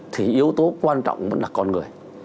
thì yếu tố quan trọng vẫn là con người